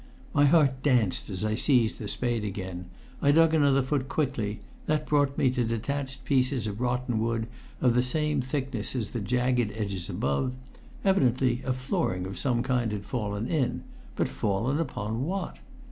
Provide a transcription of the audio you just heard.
My heart danced as I seized the spade again. I dug another foot quickly; that brought me to detached pieces of rotten wood of the same thickness as the jagged edges above; evidently a flooring of some kind had fallen in but fallen upon what?